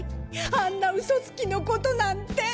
あんなウソツキのことなんて。